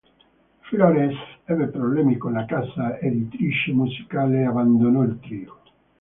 Flores ebbe problemi con la casa editrice musicale e abbandonò il trio.